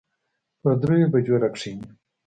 پر دريو بجو راکښېني.